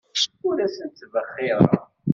Ur asent-ttbexxireɣ.